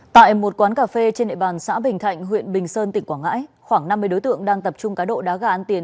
tại một quán cà phê trên địa bàn xã bình thạnh huyện bình sơn tỉnh quảng ngãi khoảng năm mươi đối tượng đang tập trung cá độ đá gà ăn tiền